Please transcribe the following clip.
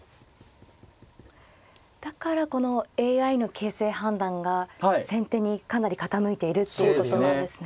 だからこのＡＩの形勢判断が先手にかなり傾いているっていうことなんですね。